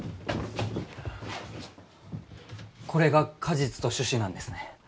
これが果実と種子なんですね。